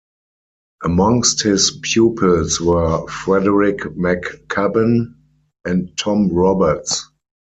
Amongst his pupils were Frederick McCubbin and Tom Roberts.